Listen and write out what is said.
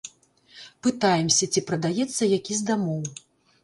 Пытаемся, ці прадаецца які з дамоў.